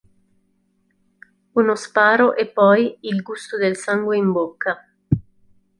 Uno sparo e poi "il gusto del sangue in bocca".